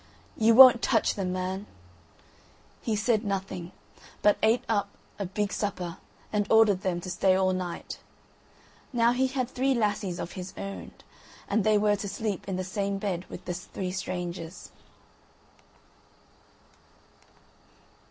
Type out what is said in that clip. Ye won't touch 'em, man." He said nothing, but ate up a big supper, and ordered them to stay all night. Now he had three lassies of his own, and they were to sleep in the same bed with the three strangers.